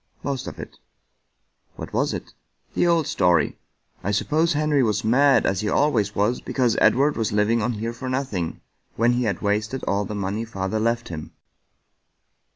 " Most of it." "What was it?" " The old story." " I suppose Henry was mad, as he always was, because Edward was living on here for nothing, when he had wasted all the money father left him."